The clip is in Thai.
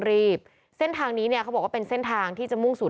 เส้นทางนี้เนี่ยเขาบอกว่าเป็นเส้นทางที่จะมุ่งสู่